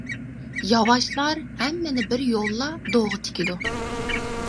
ياۋاشلار ھەممىنى بىر يوللا دوغا تىكىدۇ.